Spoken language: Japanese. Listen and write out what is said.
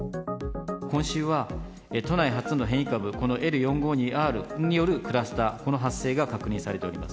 今週は都内初の変異株、このＬ４５２Ｒのクラスター、この発生が確認されております。